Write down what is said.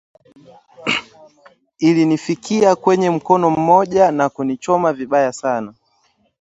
ilinifikia kwenye mkono mmoja na kunichoma vibaya sana